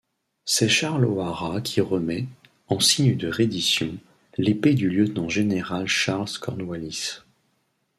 C'est Charles O'Hara qui remet, en signe de reddition, l'épée du lieutenant-général Charles Cornwallis.